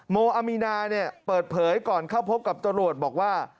โมอามีนาเปิดเผยก่อนเข้าพบกับตำรวจบอกว่า